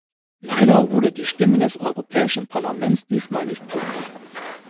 Leider wurde die Stimme des Europäischen Parlaments diesmal nicht gehört.